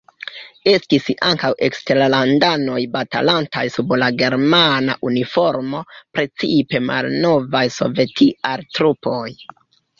Estis ankaŭ eksterlandanoj batalantaj sub la germana uniformo, precipe malnovaj sovetiaj trupoj.